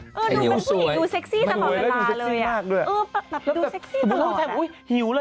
เสียนรู้หรอเสียนมากเลยหิวเลยเห็นแล้วหิวก็แบบหิวอะไร